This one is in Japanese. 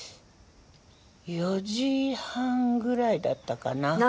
４時半くらいだったかな。